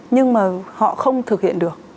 nhưng mà họ không thực hiện được